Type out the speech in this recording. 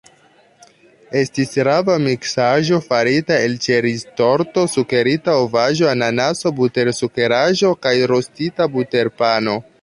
Estis rava miksaĵo farita el ĉeriztorto, sukerita ovaĵo, ananaso, butersukeraĵo kaj rostita buterpano.